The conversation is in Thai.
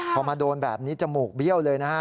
พอมาโดนแบบนี้จมูกเบี้ยวเลยนะฮะ